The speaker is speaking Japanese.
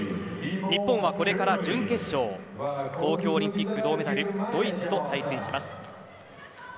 日本はこれから準決勝東京オリンピック銅メダルドイツと対戦します。